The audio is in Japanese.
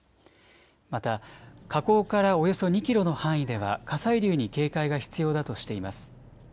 また火口からおよそ２キロの範囲では火砕流に警戒が必要だとしています。